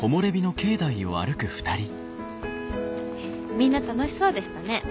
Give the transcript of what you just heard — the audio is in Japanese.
みんな楽しそうでしたね。